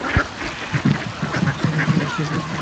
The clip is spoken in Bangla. তবে শোনা গেল, সেনদিদির নাকি ছেলে হইবে।